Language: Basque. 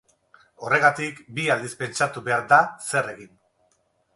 Horregatik bi aldiz pentsatu behar da zer egin.